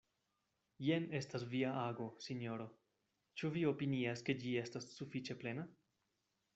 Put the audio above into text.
Jen estas via ago, sinjoro: ĉu vi opinias, ke ĝi estas sufiĉe plena?